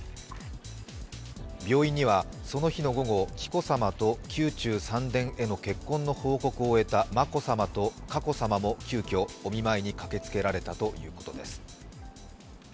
病院にはその日の午後、紀子さまと宮中三殿への結婚の報告を終えた眞子さまと佳子さまも急きょお見舞いに駆けつけられたということです。